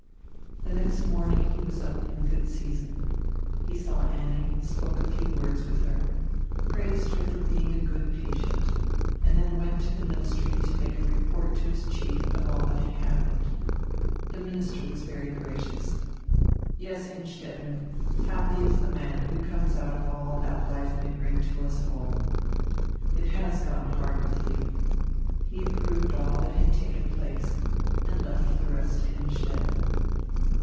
The next morning he was up in good season. He saw Annie, spoke a few words with her, praised her for being a good patient, and then went to the Ministry to make a report to his chief of all that had happened. The minister was very gracious. "Yes, Innstetten, happy is the man who comes out of all that life may bring to us whole. It has gone hard with you." He approved all that had taken place and left the rest to Innstetten.